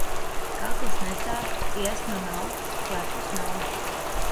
Kakls nesāp, iesnu nav, klepus nav.